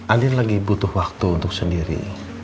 andin lagi butuh waktu untuk sendiri